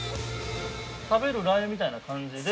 ◆食べるラー油みたいな感じで。